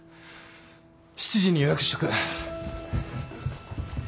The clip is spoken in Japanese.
７時に予約しとく。